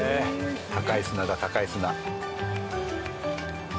高い砂だ高い砂。